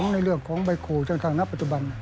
ในเรื่องของใบครูจากทางนักปัจจุบัน